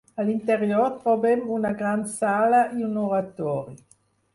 A l'interior trobem una gran sala i un oratori.